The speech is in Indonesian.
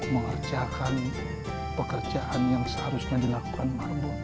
mengerjakan pekerjaan yang seharusnya dilakukan marbun